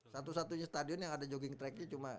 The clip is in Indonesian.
satu satunya stadion yang ada jogging tracknya cuma